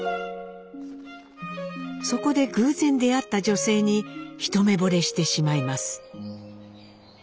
そこで偶然出会った女性に一目ぼれしてしまいます。